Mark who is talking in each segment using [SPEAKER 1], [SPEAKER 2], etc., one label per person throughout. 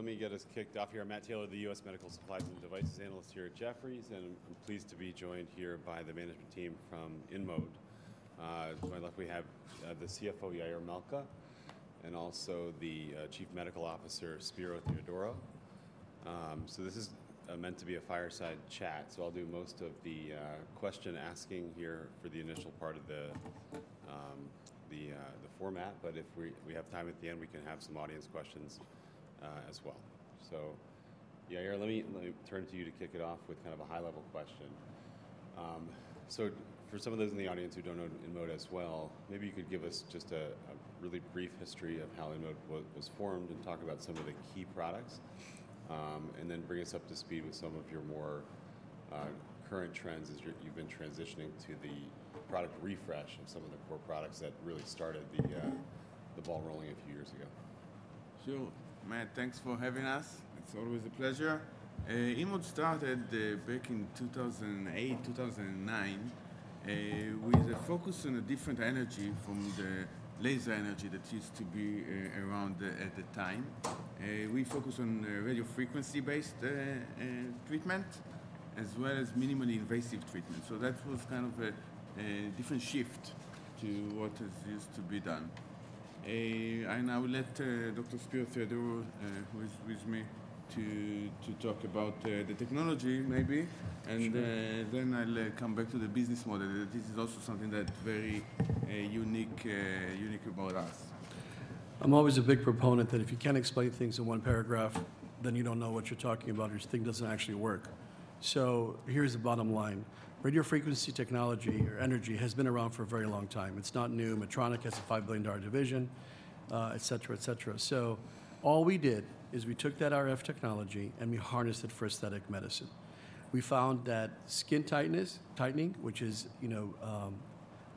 [SPEAKER 1] ...So let me get us kicked off here. I'm Matt Taylor, the US Medical Supplies and Devices Analyst here at Jefferies, and I'm pleased to be joined here by the management team from InMode. With my luck, we have the CFO, Yair Malca, and also the Chief Medical Officer, Spero Theodorou. So this is meant to be a fireside chat, so I'll do most of the question asking here for the initial part of the format. But if we have time at the end, we can have some audience questions as well. So Yair, let me turn to you to kick it off with kind of a high-level question. So for some of those in the audience who don't know InMode as well, maybe you could give us just a really brief history of how InMode was formed and talk about some of the key products. And then bring us up to speed with some of your more current trends as you've been transitioning to the product refresh of some of the core products that really started the ball rolling a few years ago.
[SPEAKER 2] Sure, Matt, thanks for having us. It's always a pleasure. InMode started back in 2008, 2009, with a focus on a different energy from the laser energy that used to be around at the time. We focus on radiofrequency-based treatment, as well as minimally invasive treatment. So that was kind of a different shift to what used to be done. And I will let Dr. Spero Theodorou, who is with me, to talk about the technology, maybe.
[SPEAKER 3] Sure.
[SPEAKER 2] Then I'll come back to the business model. This is also something that's very unique about us.
[SPEAKER 3] I'm always a big proponent that if you can't explain things in one paragraph, then you don't know what you're talking about, or your thing doesn't actually work. So here's the bottom line: radiofrequency technology or energy has been around for a very long time. It's not new. Medtronic has a $5 billion division, et cetera, et cetera. So all we did is we took that RF technology, and we harnessed it for aesthetic medicine. We found that skin tightness, tightening, which is, you know,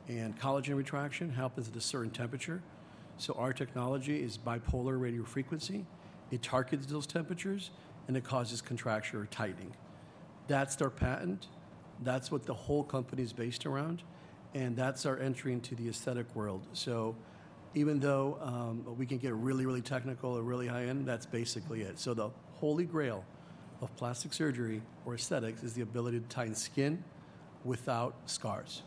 [SPEAKER 3] and collagen retraction, happens at a certain temperature. So our technology is bipolar radiofrequency. It targets those temperatures, and it causes contracture or tightening. That's their patent, that's what the whole company is based around, and that's our entry into the aesthetic world. So even though, we can get really, really technical or really high-end, that's basically it. So the holy grail of plastic surgery or aesthetics is the ability to tighten skin without scars,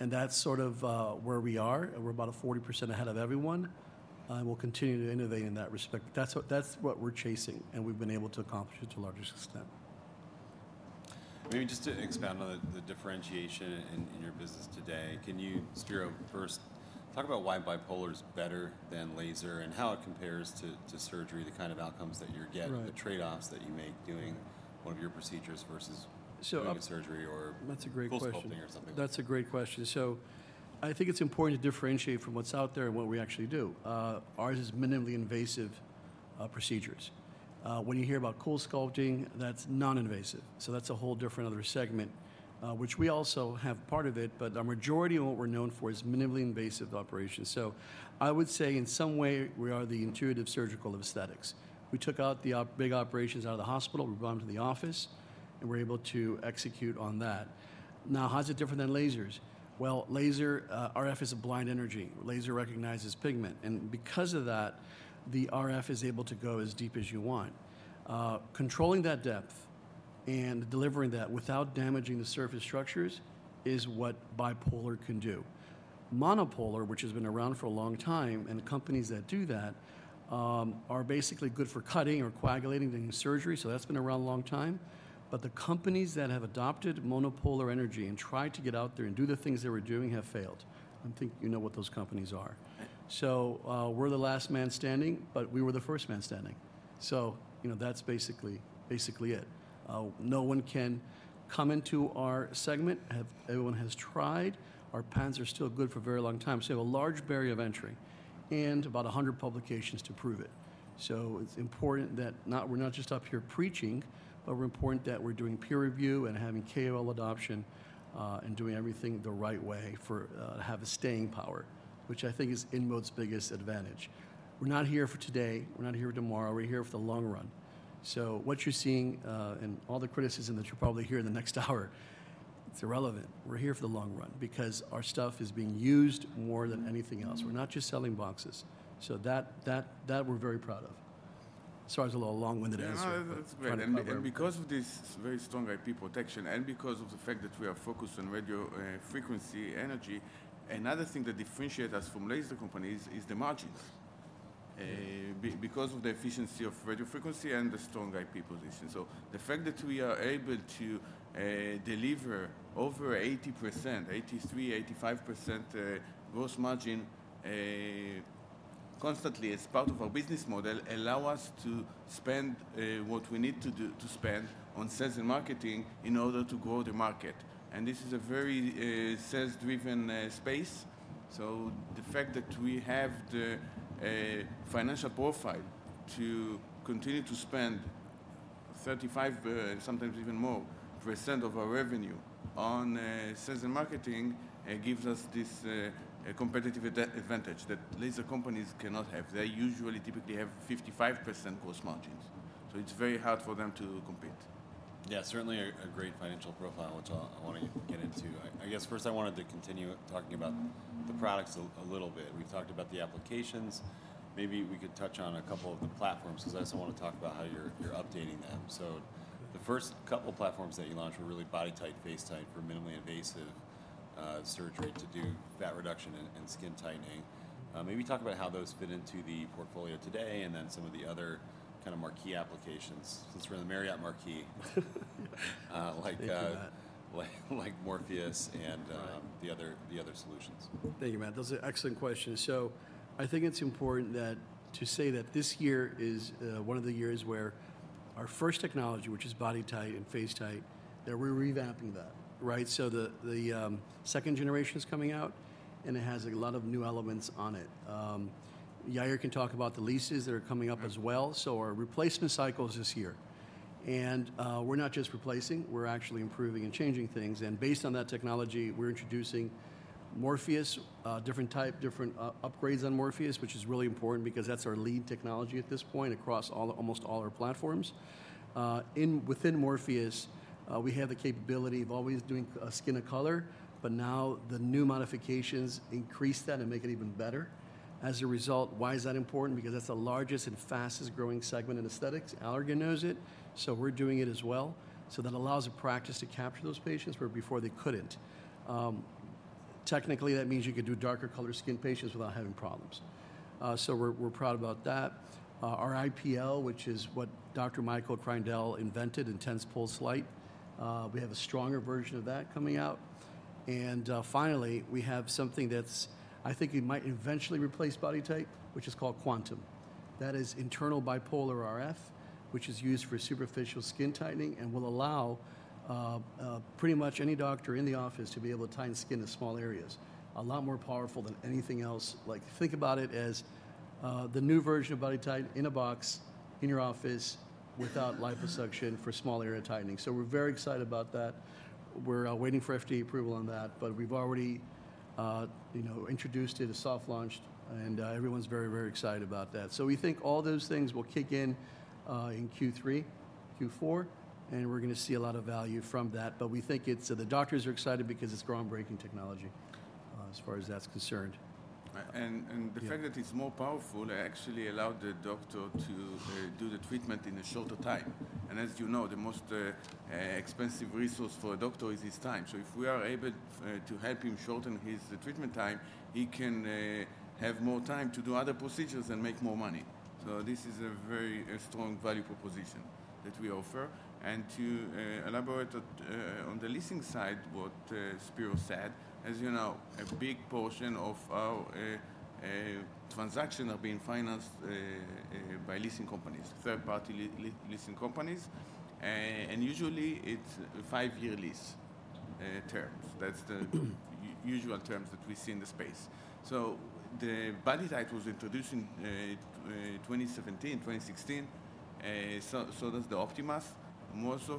[SPEAKER 3] and that's sort of where we are, and we're about 40% ahead of everyone. We'll continue to innovate in that respect. That's what, that's what we're chasing, and we've been able to accomplish it to a large extent.
[SPEAKER 1] Maybe just to expound on the differentiation in your business today, can you, Spero, first, talk about why bipolar is better than laser and how it compares to surgery, the kind of outcomes that you're getting?
[SPEAKER 3] Right...
[SPEAKER 1] the trade-offs that you make doing one of your procedures versus-
[SPEAKER 3] So-
[SPEAKER 1] -doing a surgery or-
[SPEAKER 3] That's a great question.
[SPEAKER 1] CoolSculpting or something.
[SPEAKER 3] That's a great question. So I think it's important to differentiate from what's out there and what we actually do. Ours is minimally invasive procedures. When you hear about CoolSculpting, that's non-invasive, so that's a whole different other segment, which we also have part of it, but a majority of what we're known for is minimally invasive operations. So I would say in some way, we are the Intuitive Surgical aesthetics. We took out the big operations out of the hospital, we brought them to the office, and we're able to execute on that. Now, how is it different than lasers? Well, laser RF is a blind energy. Laser recognizes pigment, and because of that, the RF is able to go as deep as you want. Controlling that depth and delivering that without damaging the surface structures is what bipolar can do. Monopolar, which has been around for a long time, and companies that do that are basically good for cutting or coagulating during surgery, so that's been around a long time. But the companies that have adopted monopolar energy and tried to get out there and do the things they were doing have failed. I think you know what those companies are.
[SPEAKER 1] Right.
[SPEAKER 3] So, we're the last man standing, but we were the first man standing. So, you know, that's basically, basically it. No one can come into our segment. Everyone has tried. Our patents are still good for a very long time, so we have a large barrier of entry and about a hundred publications to prove it. So it's important that we're not just up here preaching, but we're important that we're doing peer review and having KOL adoption, and doing everything the right way for, have a staying power, which I think is InMode's biggest advantage. We're not here for today, we're not here for tomorrow, we're here for the long run. So what you're seeing, and all the criticism that you'll probably hear in the next hour, it's irrelevant. We're here for the long run because our stuff is being used more than anything else. We're not just selling boxes. So that, that, that we're very proud of. Sorry, it's a little long-winded answer-
[SPEAKER 2] No, that's great....
[SPEAKER 3] but part of the problem.
[SPEAKER 2] Because of this very strong IP protection, and because of the fact that we are focused on radio frequency energy, another thing that differentiates us from laser companies is the margins.
[SPEAKER 3] Yeah.
[SPEAKER 2] Because of the efficiency of radio frequency and the strong IP position. So the fact that we are able to deliver over 80%, 83%-85% gross margin constantly as part of our business model allow us to spend what we need to do to spend on sales and marketing in order to grow the market. And this is a very sales-driven space. So the fact that we have the financial profile to continue to spend 35%, sometimes even more% of our revenue on sales and marketing, it gives us this competitive advantage that laser companies cannot have. They usually typically have 55% gross margin... so it's very hard for them to compete.
[SPEAKER 1] Yeah, certainly a great financial profile, which I wanna get into. I guess first I wanted to continue talking about the products a little bit. We've talked about the applications. Maybe we could touch on a couple of the platforms, 'cause I also wanna talk about how you're updating them. So the first couple platforms that you launched were really BodyTite, FaceTite for minimally invasive surgery to do fat reduction and skin tightening. Maybe talk about how those fit into the portfolio today, and then some of the other kind of marquee applications. Since we're in the Marriott Marquis,
[SPEAKER 2] Thank you for that.
[SPEAKER 1] like, like Morpheus and
[SPEAKER 2] Right...
[SPEAKER 1] the other solutions.
[SPEAKER 3] Thank you, Matt. Those are excellent questions. So I think it's important to say that this year is one of the years where our first technology, which is BodyTite and FaceTite, that we're revamping that, right? So the second generation is coming out, and it has a lot of new elements on it. Yair can talk about the leases that are coming up as well. So our replacement cycle is this year. And we're not just replacing, we're actually improving and changing things, and based on that technology, we're introducing Morpheus, different upgrades on Morpheus, which is really important because that's our lead technology at this point across all, almost all our platforms. Within Morpheus, we have the capability of always doing skin of color, but now the new modifications increase that and make it even better. As a result, why is that important? Because that's the largest and fastest-growing segment in aesthetics. Allergan knows it, so we're doing it as well. So that allows a practice to capture those patients, where before they couldn't. Technically, that means you could do darker color skin patients without having problems. So we're proud about that. Our IPL, which is what Dr. Michael Kreindel invented, intense pulsed light, we have a stronger version of that coming out. Finally, we have something that's... I think it might eventually replace BodyTite, which is called Quantum. That is internal Bipolar RF, which is used for superficial skin tightening and will allow pretty much any doctor in the office to be able to tighten skin in small areas. A lot more powerful than anything else. Like, think about it as the new version of BodyTite in a box, in your office, without liposuction for small area tightening. So we're very excited about that. We're waiting for FDA approval on that, but we've already you know, introduced it, a soft launch, and everyone's very, very excited about that. So we think all those things will kick in in Q3, Q4, and we're gonna see a lot of value from that. But we think it's. So the doctors are excited because it's groundbreaking technology, as far as that's concerned.
[SPEAKER 2] And the fact-
[SPEAKER 3] Yeah...
[SPEAKER 2] that it's more powerful actually allowed the doctor to do the treatment in a shorter time. And as you know, the most expensive resource for a doctor is his time. So if we are able to help him shorten his treatment time, he can have more time to do other procedures and make more money. So this is a very strong value proposition that we offer. And to elaborate on the leasing side, what Spero said, as you know, a big portion of our transaction are being financed by leasing companies, third-party leasing companies. And usually, it's a five-year lease term. That's the usual terms that we see in the space. So the BodyTite was introduced in 2017, 2016, so does the Optimas.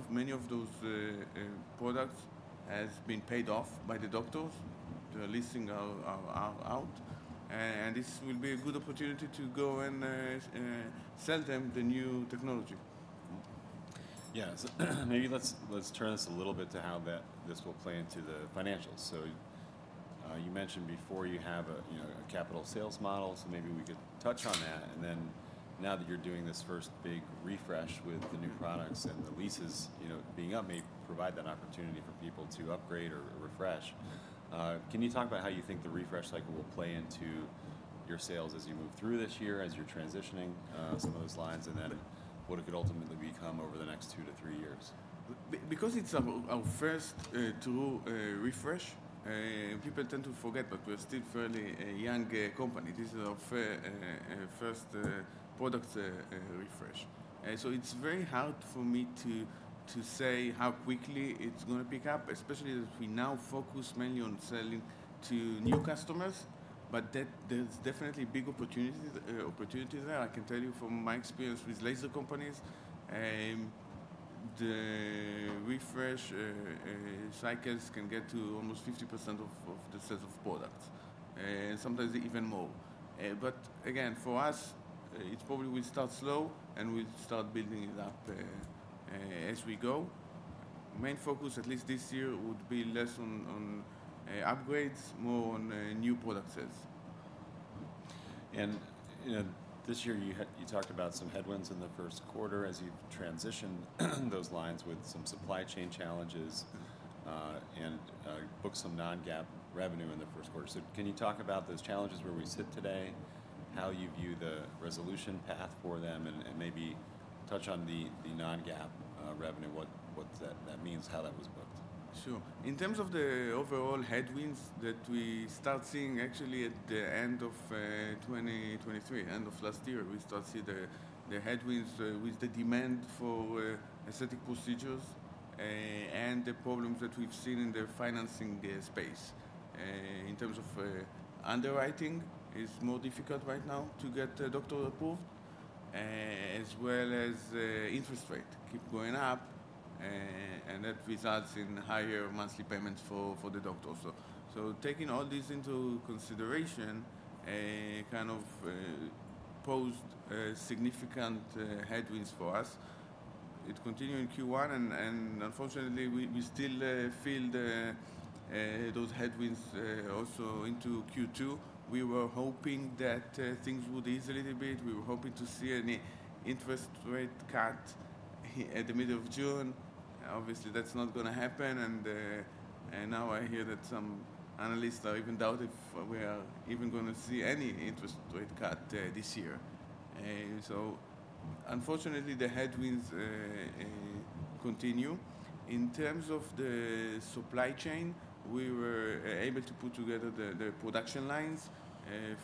[SPEAKER 2] Many of those products has been paid off by the doctors. The leasing are out, and this will be a good opportunity to go and sell them the new technology.
[SPEAKER 1] Yeah. Maybe let's turn this a little bit to how that this will play into the financials. So, you mentioned before you have a, you know, a capital sales model, so maybe we could touch on that. And then now that you're doing this first big refresh with the new products and the leases, you know, being up may provide that opportunity for people to upgrade or refresh. Can you talk about how you think the refresh cycle will play into your sales as you move through this year, as you're transitioning some of those lines, and then what it could ultimately become over the next 2-3 years?
[SPEAKER 2] Because it's our, our first, true, refresh, people tend to forget that we're still fairly a young, company. This is our, first, product, refresh. So it's very hard for me to, to say how quickly it's gonna pick up, especially as we now focus mainly on selling to new customers, but that, there's definitely big opportunities, opportunities there. I can tell you from my experience with laser companies, the refresh, cycles can get to almost 50% of, of the sales of products, sometimes even more. But again, for us, it probably will start slow, and we'll start building it up, as we go. Main focus, at least this year, would be less on, on, upgrades, more on, new product sales.
[SPEAKER 1] You know, this year you talked about some headwinds in the first quarter as you've transitioned those lines with some supply chain challenges and booked some non-GAAP revenue in the first quarter. So can you talk about those challenges where we sit today, how you view the resolution path for them, and maybe touch on the non-GAAP revenue, what that means, how that was booked?
[SPEAKER 2] Sure. In terms of the overall headwinds that we start seeing actually at the end of 2023, end of last year, we start see the, the headwinds with the demand for aesthetic procedures, and the problems that we've seen in the financing, the space. In terms of underwriting, is more difficult right now to get a doctor approved, as well as interest rate keep going up.... and that results in higher monthly payments for the doctors. So taking all this into consideration, kind of posed significant headwinds for us. It continued in Q1, and unfortunately, we still feel the those headwinds also into Q2. We were hoping that things would ease a little bit. We were hoping to see an interest rate cut at the middle of June. Obviously, that's not gonna happen, and now I hear that some analysts are even doubt if we are even gonna see any interest rate cut this year. So unfortunately, the headwinds continue. In terms of the supply chain, we were able to put together the production lines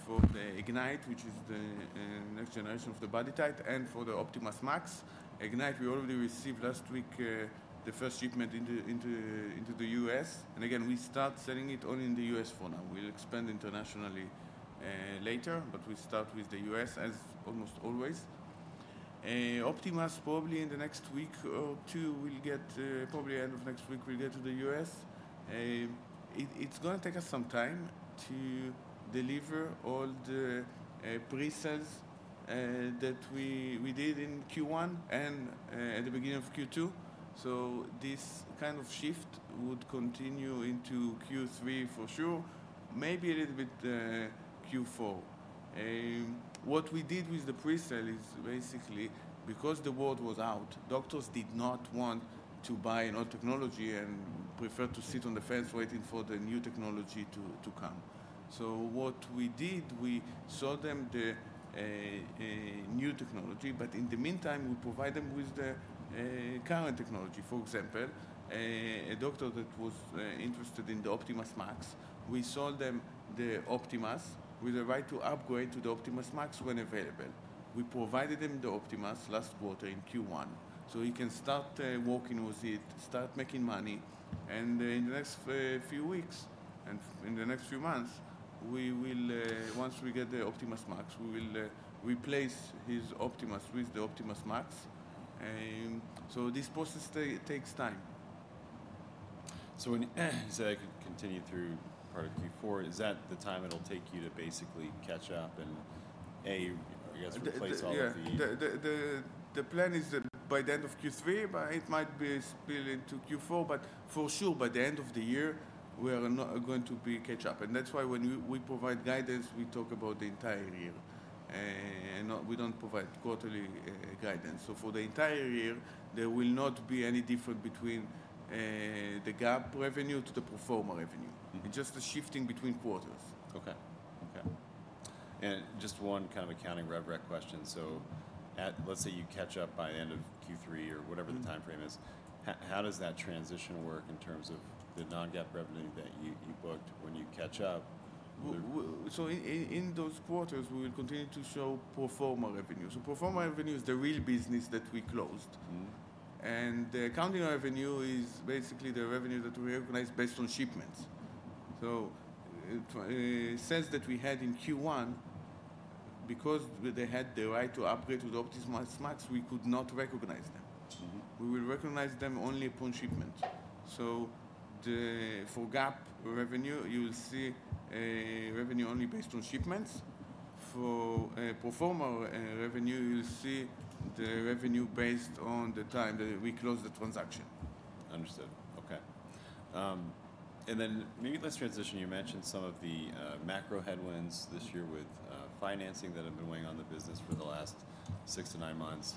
[SPEAKER 2] for the Ignite, which is the next generation of the BodyTite, and for the OptimasMax. Ignite, we already received last week the first shipment into the U.S. And again, we start selling it only in the U.S. for now. We'll expand internationally later, but we start with the U.S. as almost always. OptimasMax, probably in the next week or two, we'll get probably end of next week, we'll get to the U.S. It's gonna take us some time to deliver all the pre-sales that we did in Q1 and at the beginning of Q2. So this kind of shift would continue into Q3, for sure, maybe a little bit Q4. What we did with the pre-sale is basically because the word was out, doctors did not want to buy an old technology and preferred to sit on the fence, waiting for the new technology to come. So what we did, we sold them the new technology, but in the meantime, we provide them with the current technology. For example, a doctor that was interested in the OptimasMax, we sold them the Optimas with the right to upgrade to the OptimasMax when available. We provided them the Optimas last quarter in Q1, so he can start working with it, start making money, and in the next few weeks, and in the next few months, we will, once we get the OptimasMax, we will replace his Optimas with the OptimasMax. So this process takes time.
[SPEAKER 1] So when you say it could continue through part of Q4, is that the time it'll take you to basically catch up and, A, I guess, replace all of the-
[SPEAKER 2] Yeah. The plan is that by the end of Q3, but it might spill into Q4, but for sure, by the end of the year, we are not going to be catch up. And that's why when we provide guidance, we talk about the entire year, and we don't provide quarterly guidance. So for the entire year, there will not be any difference between the GAAP revenue to the pro forma revenue.
[SPEAKER 1] Mm-hmm.
[SPEAKER 2] It's just the shifting between quarters.
[SPEAKER 1] Okay. Okay. And just one kind of accounting rev rec question. So, let's say you catch up by end of Q3 or whatever-
[SPEAKER 2] Mm-hmm.
[SPEAKER 1] -The time frame is. How does that transition work in terms of the non-GAAP revenue that you booked when you catch up?
[SPEAKER 2] So in those quarters, we will continue to show pro forma revenue. So pro forma revenue is the real business that we closed.
[SPEAKER 1] Mm-hmm.
[SPEAKER 2] The accounting revenue is basically the revenue that we recognize based on shipments. Sales that we had in Q1, because they had the right to upgrade to the OptimasMax, we could not recognize them.
[SPEAKER 1] Mm-hmm.
[SPEAKER 2] We will recognize them only upon shipment. So for GAAP revenue, you will see a revenue only based on shipments. For pro forma revenue, you'll see the revenue based on the time that we close the transaction.
[SPEAKER 1] Understood. Okay. And then maybe let's transition. You mentioned some of the macro headwinds this year with financing that have been weighing on the business for the last 6-9 months.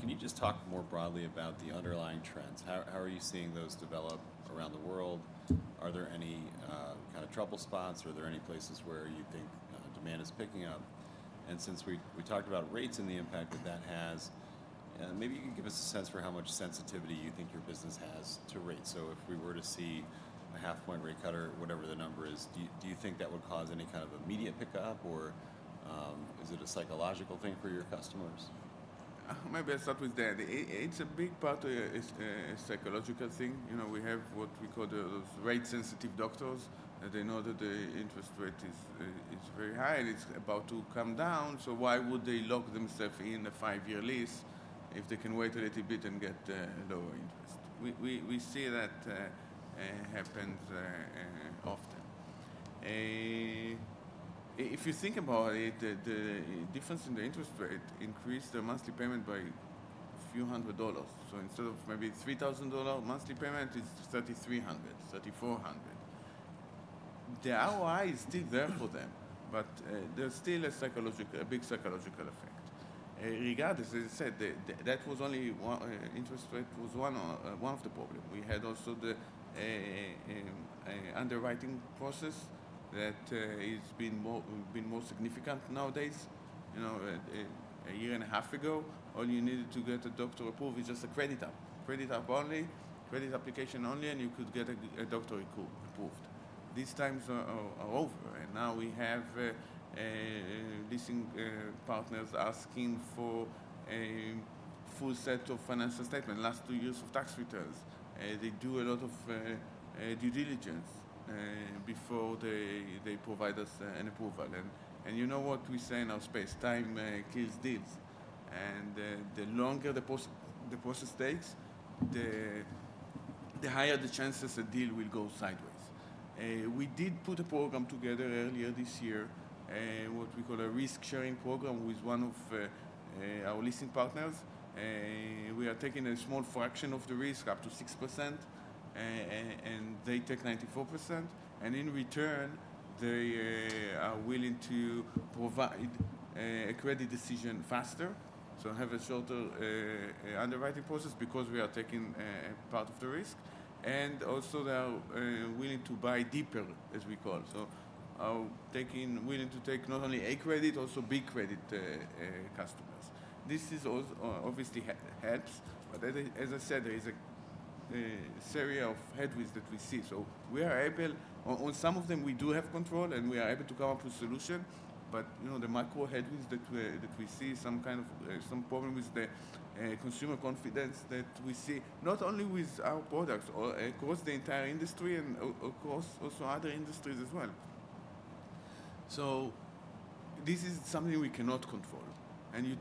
[SPEAKER 1] Can you just talk more broadly about the underlying trends? How are you seeing those develop around the world? Are there any kind of trouble spots, or are there any places where you think demand is picking up? And since we talked about rates and the impact that that has, maybe you can give us a sense for how much sensitivity you think your business has to rates. So if we were to see a half-point rate cut or whatever the number is, do you think that would cause any kind of immediate pickup, or is it a psychological thing for your customers?
[SPEAKER 2] Maybe I'll start with that. It's a big part of, it's a psychological thing. You know, we have what we call the rate-sensitive doctors, and they know that the interest rate is very high, and it's about to come down, so why would they lock themselves in a 5-year lease if they can wait a little bit and get lower interest? We see that happens often. If you think about it, the difference in the interest rate increased their monthly payment by a few hundred dollars. So instead of maybe $3,000 monthly payment, it's $3,300, $3,400. The ROI is still there for them, but there's still a psychological, a big psychological effect. Regardless, as I said, that was only one... Interest rate was one of the problem. We had also the underwriting process that is being more significant nowadays. You know, a year and a half ago, all you needed to get a doctor approved is just a credit app. Credit app only, credit application only, and you could get a doctor approved. These times are over, and now we have leasing partners asking for a full set of financial statement, last two years of tax returns. They do a lot of due diligence before they provide us an approval. And you know what we say in our space, "Time kills deals." And the longer the process takes, the higher the chances a deal will go sideways. We did put a program together earlier this year, what we call a risk-sharing program, with one of our leasing partners. We are taking a small fraction of the risk, up to 6%, and they take 94%, and in return, they are willing to provide a credit decision faster. So have a shorter underwriting process because we are taking part of the risk. And also, they are willing to buy deeper, as we call it. So, willing to take not only A credit, also B credit customers. This is also obviously helps, but as I said, there is a series of headwinds that we see. So we are able. On some of them, we do have control, and we are able to come up with solutions. But, you know, the macro headwinds that we see, some kind of some problem with the consumer confidence that we see, not only with our products or across the entire industry and across also other industries as well. So this is something we cannot control. You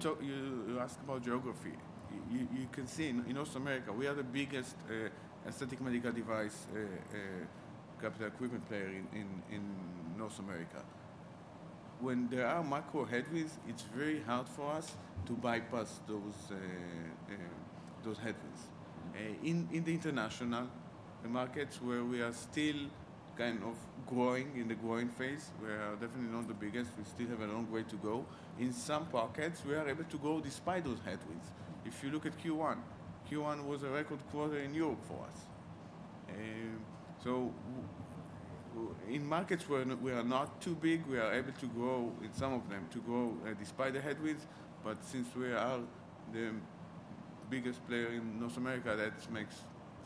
[SPEAKER 2] can see in North America, we are the biggest aesthetic medical device capital equipment player in North America. When there are macro headwinds, it's very hard for us to bypass those headwinds. In the international markets where we are still kind of growing, in the growing phase, we are definitely not the biggest. We still have a long way to go. In some pockets, we are able to go despite those headwinds. If you look at Q1, Q1 was a record quarter in Europe for us. So in markets where we are not too big, we are able to grow, in some of them, to grow, despite the headwinds. But since we are the biggest player in North America, that makes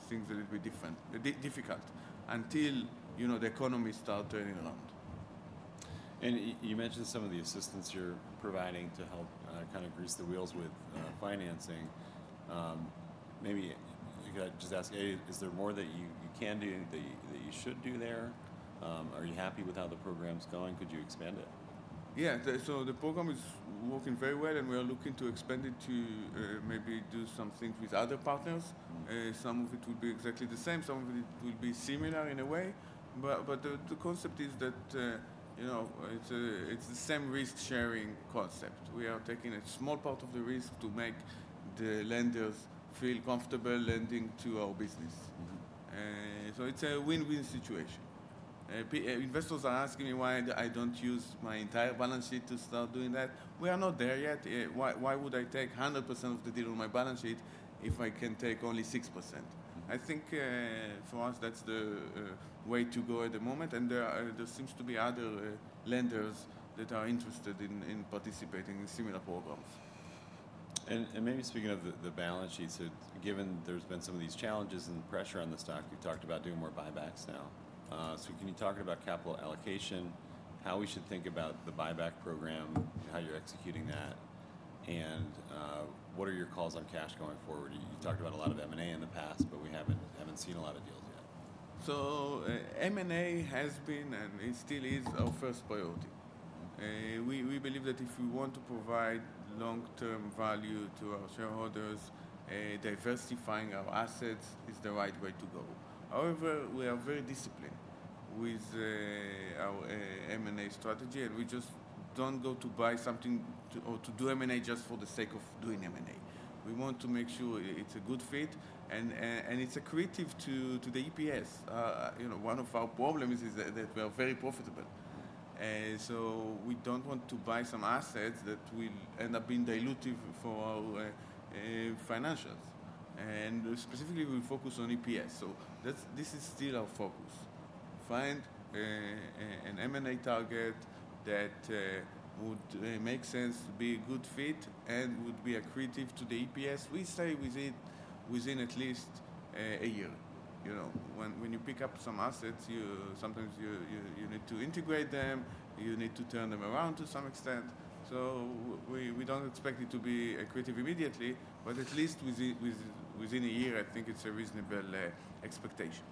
[SPEAKER 2] things a little bit different, difficult, until, you know, the economy start turning around.
[SPEAKER 1] You mentioned some of the assistance you're providing to help kind of grease the wheels with financing. Maybe I could just ask, A, is there more that you can do, that you should do there? Are you happy with how the program's going? Could you expand it?
[SPEAKER 2] Yeah. So the program is working very well, and we are looking to expand it to maybe do something with other partners. Some of it will be exactly the same, some of it will be similar in a way. But the concept is that you know it's the same risk-sharing concept. We are taking a small part of the risk to make the lenders feel comfortable lending to our business.
[SPEAKER 1] Mm-hmm.
[SPEAKER 2] It's a win-win situation. Investors are asking me why I don't use my entire balance sheet to start doing that. We are not there yet. Why would I take 100% of the deal on my balance sheet if I can take only 6%?
[SPEAKER 1] Mm-hmm.
[SPEAKER 2] I think, for us, that's the way to go at the moment, and there are, there seems to be other lenders that are interested in participating in similar programs.
[SPEAKER 1] Maybe speaking of the balance sheets, given there's been some of these challenges and pressure on the stock, you've talked about doing more buybacks now. So can you talk about capital allocation, how we should think about the buyback program, how you're executing that, and what are your calls on cash going forward? You talked about a lot of M&A in the past, but we haven't seen a lot of deals yet.
[SPEAKER 2] So, M&A has been, and it still is, our first priority. We believe that if we want to provide long-term value to our shareholders, diversifying our assets is the right way to go. However, we are very disciplined with our M&A strategy, and we just don't go to buy something to or to do M&A just for the sake of doing M&A. We want to make sure it's a good fit and it's accretive to the EPS. You know, one of our problems is that we are very profitable, so we don't want to buy some assets that will end up being dilutive for our financials. And specifically, we focus on EPS, so that's—this is still our focus. Find an M&A target that would make sense, be a good fit, and would be accretive to the EPS. We say within at least a year. You know, when you pick up some assets, you sometimes need to integrate them, you need to turn them around to some extent. So we don't expect it to be accretive immediately, but at least within a year, I think it's a reasonable expectation.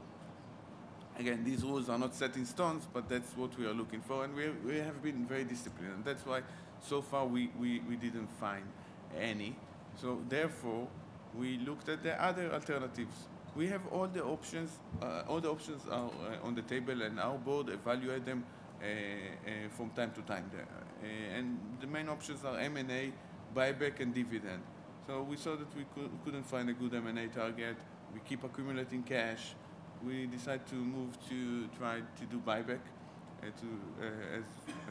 [SPEAKER 2] Again, these rules are not set in stone, but that's what we are looking for, and we have been very disciplined, and that's why so far we didn't find any. So therefore, we looked at the other alternatives. We have all the options, all the options are on the table, and our board evaluate them from time to time there. And the main options are M&A, buyback, and dividend. So we saw that we couldn't find a good M&A target. We keep accumulating cash. We decide to move to try to do buyback as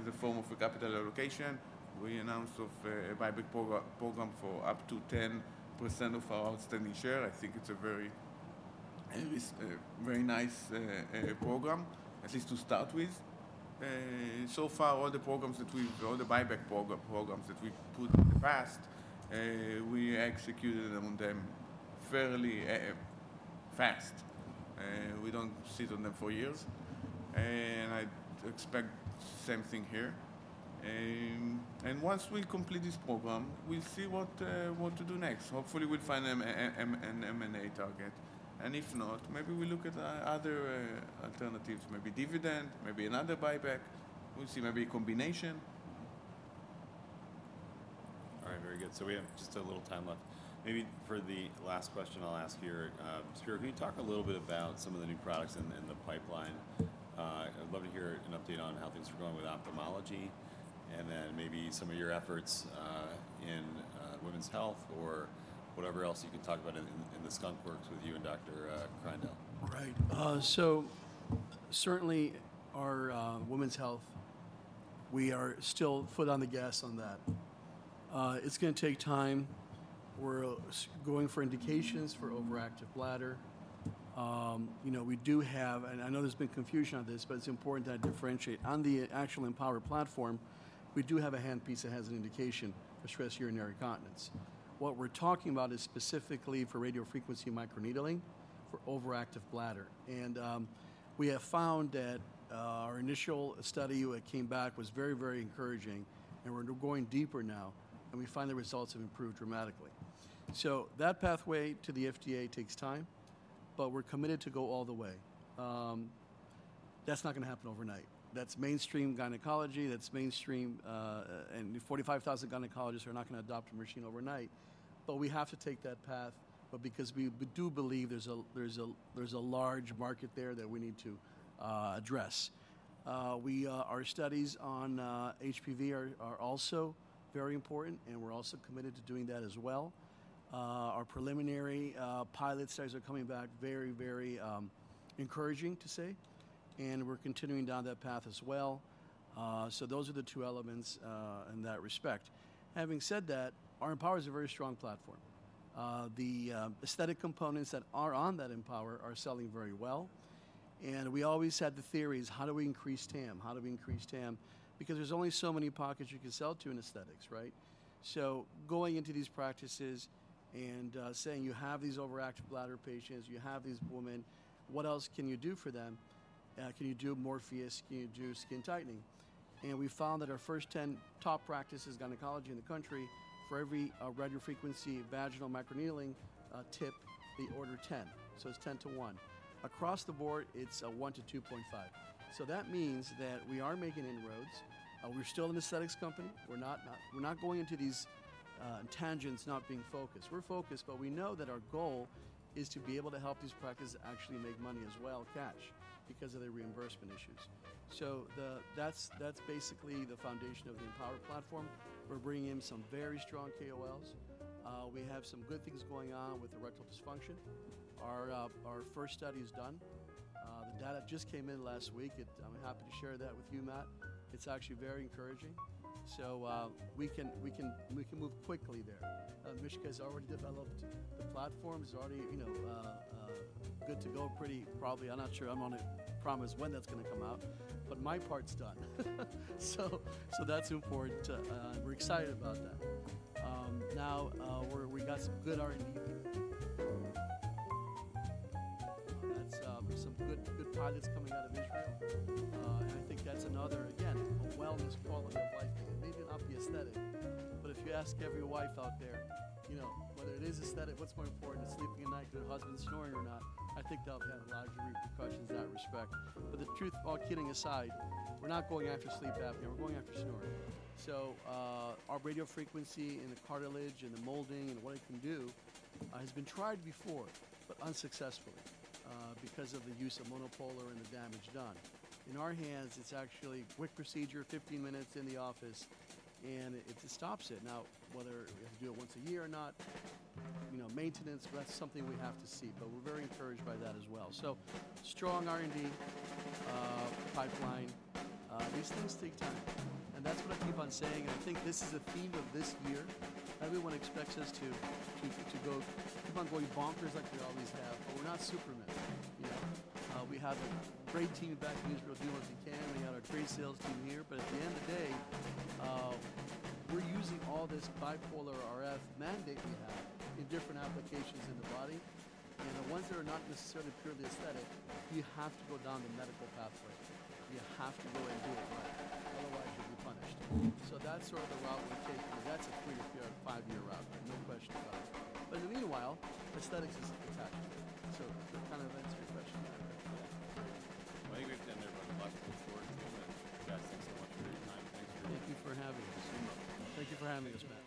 [SPEAKER 2] a form of a capital allocation. We announced a buyback program for up to 10% of our outstanding share. I think it's a very very nice program, at least to start with. So far, all the buyback programs that we've put in the past, we executed on them fairly fast, we don't sit on them for years, and I expect the same thing here. And once we complete this program, we'll see what to do next. Hopefully, we'll find an M&A target, and if not, maybe we look at other alternatives, maybe dividend, maybe another buyback. We'll see. Maybe a combination....
[SPEAKER 1] All right, very good. So we have just a little time left. Maybe for the last question I'll ask here, Spero, can you talk a little bit about some of the new products in the pipeline? I'd love to hear an update on how things are going with ophthalmology, and then maybe some of your efforts in women's health or whatever else you can talk about in the skunk works with you and Dr. Kreindel.
[SPEAKER 3] Right. So certainly, our women's health, we are still foot on the gas on that. It's gonna take time. We're going for indications for overactive bladder. You know, we do have... And I know there's been confusion on this, but it's important that I differentiate. On the actual Empower platform, we do have a handpiece that has an indication for stress urinary incontinence. What we're talking about is specifically for radiofrequency microneedling for overactive bladder, and we have found that our initial study that came back was very, very encouraging, and we're going deeper now, and we find the results have improved dramatically. So that pathway to the FDA takes time, but we're committed to go all the way. That's not gonna happen overnight. That's mainstream gynecology, that's mainstream... And 45,000 gynecologists are not going to adopt a machine overnight. But we have to take that path, but because we do believe there's a large market there that we need to address. Our studies on HPV are also very important, and we're also committed to doing that as well. Our preliminary pilot studies are coming back very encouraging to say, and we're continuing down that path as well. So those are the two elements in that respect. Having said that, our Empower is a very strong platform. The aesthetic components that are on that Empower are selling very well, and we always had the theories: How do we increase TAM? How do we increase TAM? Because there's only so many pockets you can sell to in aesthetics, right? So going into these practices and saying you have these overactive bladder patients, you have these women, what else can you do for them? Can you do Morpheus? Can you do skin tightening? And we found that our first 10 top practices, gynecology in the country, for every radiofrequency, vaginal microneedling tip, they order 10. So it's 10 to 1. Across the board, it's 1 to 2.5. So that means that we are making inroads. We're still an aesthetics company. We're not going into these tangents, not being focused. We're focused, but we know that our goal is to be able to help these practices actually make money as well, cash, because of the reimbursement issues. So that's basically the foundation of the Empower platform. We're bringing in some very strong KOLs. We have some good things going on with the erectile dysfunction. Our first study is done. The data just came in last week, and I'm happy to share that with you, Matt. It's actually very encouraging. So, we can move quickly there. Mishka has already developed the platform, is already, you know, good to go, pretty probably. I'm not sure I'm gonna promise when that's gonna come out, but my part's done. So that's important, we're excited about that. Now, we got some good R&D here. That's some good pilots coming out of Israel. And I think that's another, again, a wellness quality of life thing. It may not be aesthetic, but if you ask every wife out there, you know, whether it is aesthetic, what's more important is sleeping at night with her husband snoring or not? I think they'll have a lot of repercussions in that respect. But the truth, all kidding aside, we're not going after sleep apnea. We're going after snoring. So, our radiofrequency in the cartilage and the molding and what it can do has been tried before, but unsuccessfully, because of the use of monopolar and the damage done. In our hands, it's actually quick procedure, 15 minutes in the office, and it, it stops it. Now, whether you have to do it once a year or not, you know, maintenance, well, that's something we have to see, but we're very encouraged by that as well. So strong R&D pipeline. These things take time, and that's what I keep on saying, and I think this is a theme of this year. Everyone expects us to keep on going bonkers like we always have, but we're not Superman, you know? We have a great team back in Israel doing what we can. We got our great sales team here, but at the end of the day, we're using all this bipolar RF mandate we have in different applications in the body, and the ones that are not necessarily purely aesthetic, you have to go down the medical pathway. You have to go and do it right. Otherwise, you'll be punished. So that's sort of the route we're taking, and that's a 3-5-year route, no question about it. But in the meanwhile, aesthetics is attached to it. Does that kind of answer your question, Matt?
[SPEAKER 1] Yeah. Well, you guys done a lot to look forward to, and guys, thanks so much for your time. Thank you.
[SPEAKER 3] Thank you for having us.
[SPEAKER 1] You're welcome.
[SPEAKER 3] Thank you for having us, Matt.